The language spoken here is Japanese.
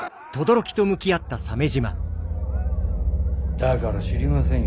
だから知りませんよ